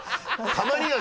たまには。